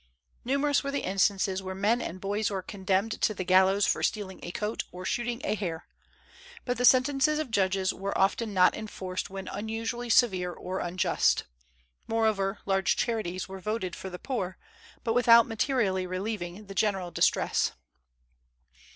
Numerous were the instances where men and boys were condemned to the gallows for stealing a coat or shooting a hare; but the sentences of judges were often not enforced when unusually severe or unjust. Moreover, large charities were voted for the poor, but without materially relieving the general distress.